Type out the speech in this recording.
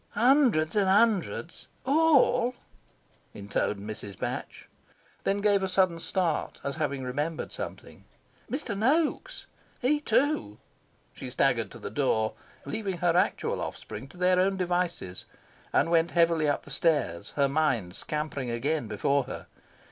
"Hundreds and hundreds ALL," intoned Mrs. Batch, then gave a sudden start, as having remembered something. Mr. Noaks! He, too! She staggered to the door, leaving her actual offspring to their own devices, and went heavily up the stairs, her mind scampering again before her....